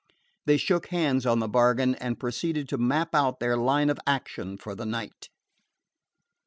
They shook hands on the bargain, and proceeded to map out their line of action for the night.